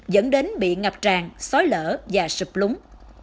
dẫn đến bị ngập tràn xói lở và sụp lúng